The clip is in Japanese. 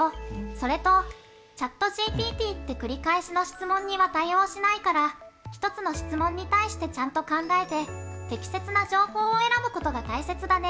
それとＣｈａｔＧＰＴって繰り返しの質問には対応しないから１つの質問に対してちゃんと考えて適切な情報を選ぶことが大切だね。